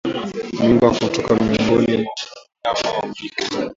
Mimba kutoka miongoni mwa wanyama jike